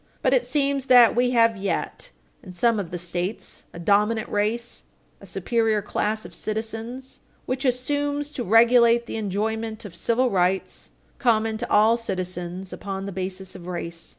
But it seems that we have yet, in some of the States, a dominant race a superior class of citizens, which assumes to regulate the enjoyment of civil rights, common to all citizens, upon the basis of race.